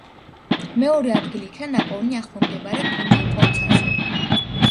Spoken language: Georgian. მეორე ადგილი იქნა ნაპოვნი ახლომდებარე კუნძულ პონცაზე.